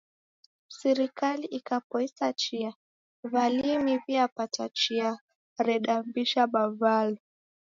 Sirikali ikapoisa chia, w'alimi wiapata chia redambisha mavalo